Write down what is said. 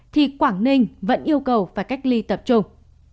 thì quảng ninh vẫn yêu cầu phải cách ly tập trung